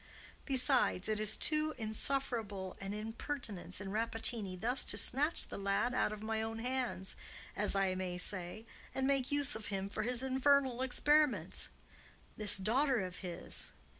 Besides, it is too insufferable an impertinence in Rappaccini, thus to snatch the lad out of my own hands, as I may say, and make use of him for his infernal experiments. This daughter of his!